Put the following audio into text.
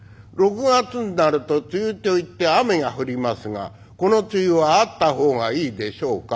「６月んなると梅雨といって雨が降りますがこの梅雨はあった方がいいでしょう